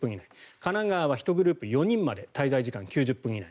神奈川は１グループ４人まで滞在時間９０分以内。